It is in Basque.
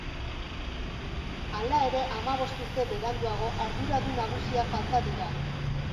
Hala ere hamabost urte beranduago arduradun nagusiak falta dira.